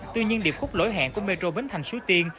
tuy nhiên điệp khúc lỗi hẹn của metro bến thành suối tiên